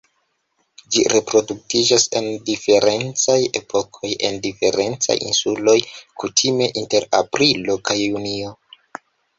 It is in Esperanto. Ĝi reproduktiĝas en diferencaj epokoj en diferencaj insuloj, kutime inter aprilo kaj junio.